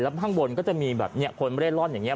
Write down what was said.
แล้วข้างบนก็จะมีแบบเนี่ยคนเล่นร่อนอย่างเงี้ย